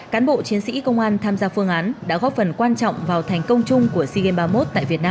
cán bộ chiến sĩ công an tham gia phương án đã góp phần quan trọng vào thành công chung của sea games ba mươi một tại việt nam